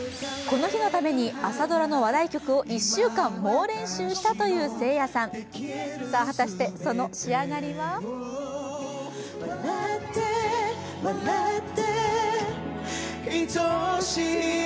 この日のために朝ドラの話題曲を１週間猛練習したというせいやさんさあ、果たしてその仕上がりは？